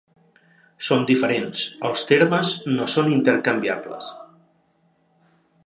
Són diferents, els termes no són intercanviables.